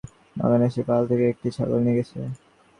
পরশু রাত্রে একটি চিতাবাঘ এই বাগানে এসে পাল থেকে একটি ছাগল নিয়ে গেছে।